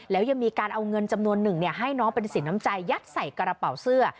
แล้วยังมีการเอาเงินจำนวนหนึ่งให้น้องเป็นสินน้ำใจยัดใส่กระเป๋าเสื้อ